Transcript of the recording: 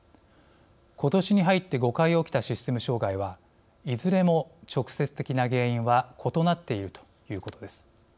ことしに入って５回起きたシステム障害はいずれも直接的な原因は異なっているということです。